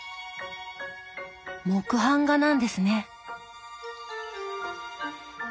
木版画なんですね。